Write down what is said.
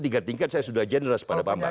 itu tiga tingkat saya sudah generous pada bambang